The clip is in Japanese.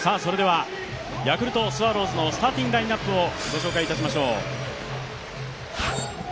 ヤクルトスワローズのスターティングラインナップをご紹介しましょう。